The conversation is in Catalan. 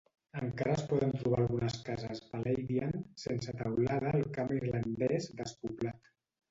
Encara es poden trobar algunes cases "palladian" sense teulada al camp irlandès despoblat.